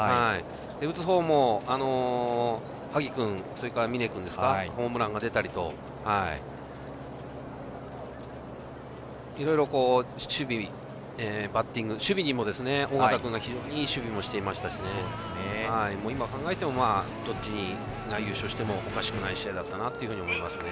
打つ方も萩君、峯君にホームランが出たりといろいろバッティングや守備にも緒方君が非常にいい守備をしていましたし今考えても、どっちが優勝してもおかしくない試合だったなと思いますね。